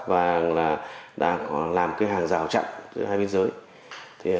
và đã làm hàng rào chặn giữa hai biên giới